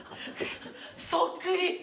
そっくり！